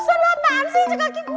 aduh apaan sih jatuh kaki gue